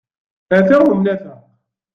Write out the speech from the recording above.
Ata umnafeq!